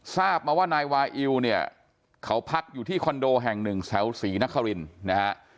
ทราบมาว่านายวาอิวเนี่ยเขาพักอยู่ที่คอนโดแห่งหนึ่งแถวศรีนครินนะฮะ